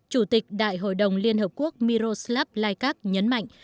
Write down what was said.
chủ tịch đại hội đồng liên hợp quốc miroslav laikat nhấn mạnh